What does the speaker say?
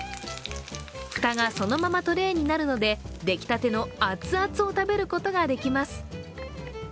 蓋がそのままトレーになるので出来たての熱々を食べることができます。